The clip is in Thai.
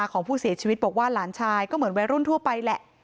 ของผู้เสียชีวิตบอกว่าหลานชายก็เหมือนวัยรุ่นทั่วไปแหละ